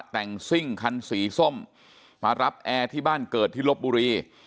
แต่งซิ่งคันสีส้มมารับแอร์ที่บ้านเกิดที่ลบบุรี